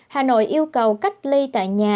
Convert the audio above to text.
hà nội yêu cầu cách ly tại nhà